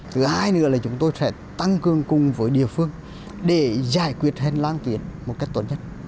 thứ hai nữa là chúng tôi sẽ tăng cường cùng với địa phương để giải quyết hành lang tuyến một cách tốt nhất